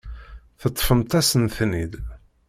Teṭṭfemt-asen-ten-id.